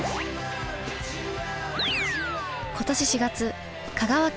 今年４月香川県